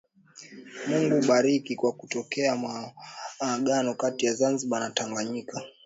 Mungu bariki kwa kutokea Muungano kati ya Zanzibar na Tanganyika